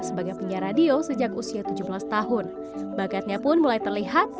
sebagai penyiar radio sejak usia tujuh belas tahun bakatnya pun mulai terlihat